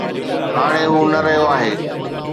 هاڻي هو نه رهيو آهي.